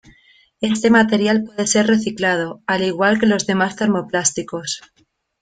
Este material puede ser reciclado, al igual que los demás termoplásticos.